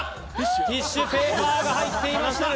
ティッシュペーパーが入っていました。